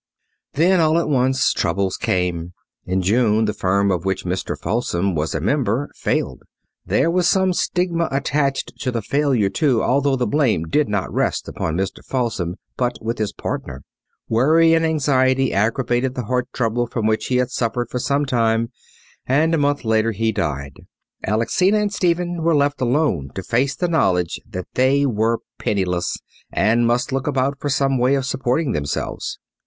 Then, all at once, troubles came. In June the firm of which Mr. Falsom was a member failed. There was some stigma attached to the failure, too, although the blame did not rest upon Mr. Falsom, but with his partner. Worry and anxiety aggravated the heart trouble from which he had suffered for some time, and a month later he died. Alexina and Stephen were left alone to face the knowledge that they were penniless, and must look about for some way of supporting themselves.